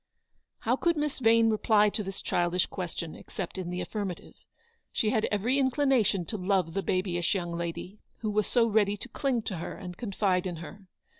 How could Miss Vane reply to this childish question, except in the affirmative? She had every inclination to love the babyish young lady, "who was so ready to cling to her and confide in her.